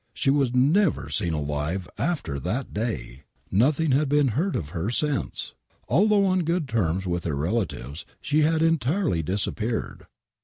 She was never seen alive after that day !! !N"othing had been heard of her since. Although on good terms with her relatives, she had entirely disappeared.